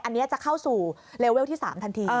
อันนี้จะเข้าสู่เลเวลที่๓ทันที